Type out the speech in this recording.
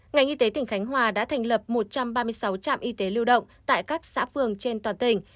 ngành y tế tỉnh khánh hòa đã thành lập một trăm ba mươi sáu trạm y tế lưu động tại các xã phường trên toàn tỉnh